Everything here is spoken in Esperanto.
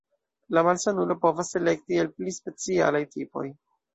La malsanulo povas elekti el pli specialaj tipoj.